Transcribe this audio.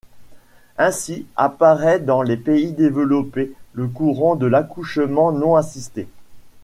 Ainsi, apparaît dans les pays développés le courant de l'accouchement non assisté.